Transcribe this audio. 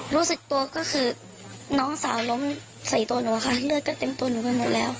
รู้สึกตัวก็คือน้องสาวล้มใส่ตัวหนูอะค่ะเลือดก็เต็มตัวหนูไปหมดแล้ว